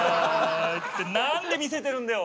って何で見せてるんだよ。